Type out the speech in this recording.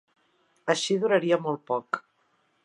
Així duraria molt poc.